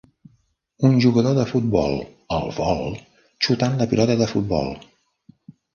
Un jugador de futbol al vol xutant la pilota de futbol